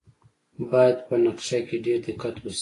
باید په نقشه کې ډیر دقت وشي